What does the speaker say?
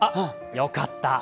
よかった。